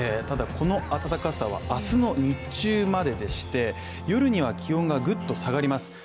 ただこの暖かさは明日の日中まででして、夜には気温がグッと下がります。